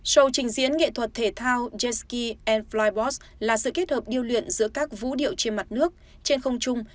show trình diễn nghệ thuật thể thao jetski flybots là sự kết hợp điêu luyện giữa các vũ điệu trên mặt nước trên không trung